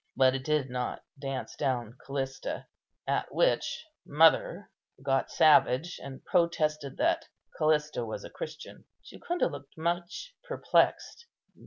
But it did not dance down Callista; at which mother got savage, and protested that Callista was a Christian." Jucundus looked much perplexed.